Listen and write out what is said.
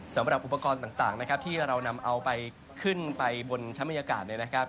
สำหรับอุปกรณ์ต่างนะครับที่เรานำเอาไปขึ้นไปบนชั้นบรรยากาศเนี่ยนะครับ